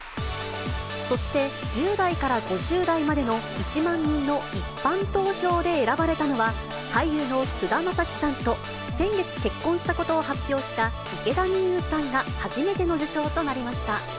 そして、１０代から５０代までの１万人の一般投票で選ばれたのは、俳優の菅田将暉さんと、先月結婚したことを発表した池田美優さんが初めての受賞となりま